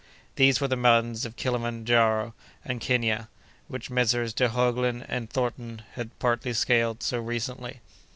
These were the mountains of Kilimandjaro and Kenia, which Messrs. de Heuglin and Thornton have partly scaled so recently.